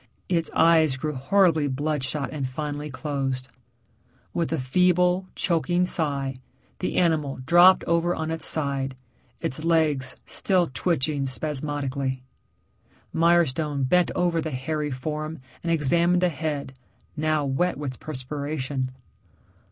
Its eyes grew horribly bloodshot and finally closed. With a feeble, choking sigh, the animal dropped over on its side, its legs still twitching spasmodically. Mirestone bent over the hairy form and examined the head, now wet with perspiration.